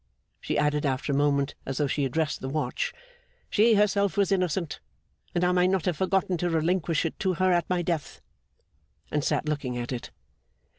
She added, after a moment, as though she addressed the watch: 'She herself was innocent, and I might not have forgotten to relinquish it to her at my death:' and sat looking at it.